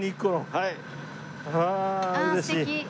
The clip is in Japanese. はい。